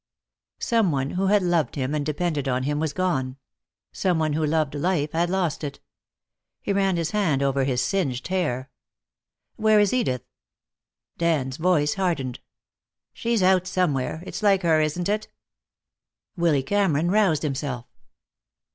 Some one who had loved him and depended on him was gone; some one who loved life had lost it. He ran his hand over his singed hair. "Where is Edith?" Dan's voice hardened. "She's out somewhere. It's like her, isn't it?" Willy Cameron roused himself.